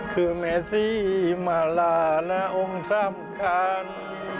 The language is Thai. คือแม่ที่มาลาณองค์ทรัพย์ค้าง